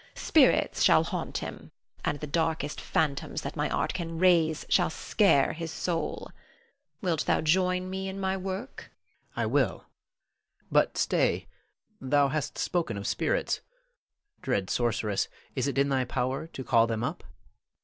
Spirits shall haunt him, and the darkest phantoms that my art can raise shall scare his soul. Wilt thou join me in my work? Louis. I will, but stay! thou hast spoken of spirits. Dread sorceress, is it in thy power to call them up?